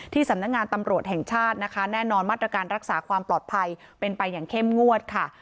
สำนักงานตำรวจแห่งชาตินะคะแน่นอนมาตรการรักษาความปลอดภัยเป็นไปอย่างเข้มงวดค่ะ